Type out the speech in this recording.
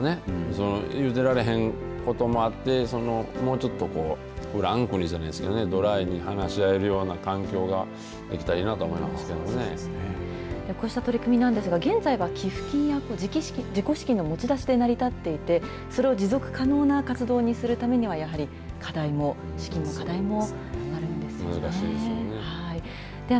そう言うてられへんこともあってもうちょっとフランクにじゃないですけど、ドライに話し合えるような環境ができたらいいなとこうした取り組みなんですが現在は寄付金や自己資金の持ち出しで成り立っていてそれを持続可能な活動にするためには、やはり課題も資金の課題も難しいですよね。